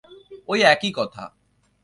ঐ একই কথা।